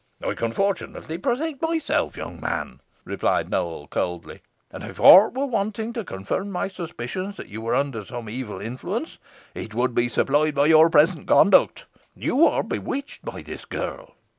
"I can fortunately protect myself, young man," replied Nowell, coldly; "and if aught were wanting to confirm my suspicions that you were under some evil influence, it would be supplied by your present conduct. You are bewitched by this girl."